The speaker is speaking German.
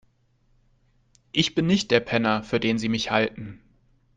Ich bin nicht der Penner, für den Sie mich halten.